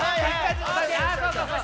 あそうそうそう。